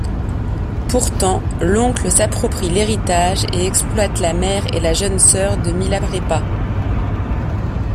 Pourtant, l’oncle s’approprie l'héritage et exploite la mère et la jeune sœur de Milarépa.